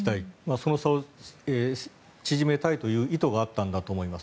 その差を縮めたいという意図があったんだと思います。